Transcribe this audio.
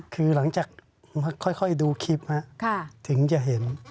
คือหลังจากค่อยดูคลิปถึงจะเห็น